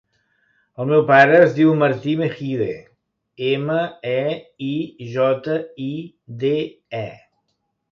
El meu pare es diu Martí Meijide: ema, e, i, jota, i, de, e.